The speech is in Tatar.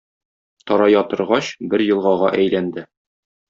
Тарая торгач, бер елгага әйләнде.